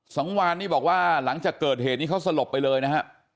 สังวานนี่บอกว่าหลังจากเกิดเหตุนี้เขาสลบไปเลยนะฮะ